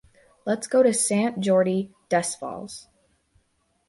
Let's go to Sant Jordi Desvalls.